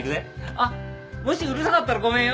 あっもしうるさかったらごめんよ。